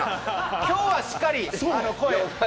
きょうはしっかり声を。